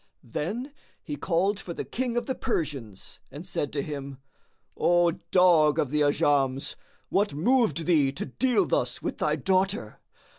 Then he called for the King of the Persians and said to him, "O dog of the Ajams, what moved thee to deal thus with thy daughter?